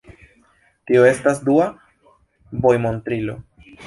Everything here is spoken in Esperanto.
Tio estas dua vojmontrilo.